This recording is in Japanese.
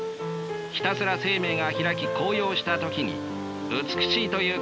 ひたすら生命が開き高揚した時に美しいという感動が起こるのだ。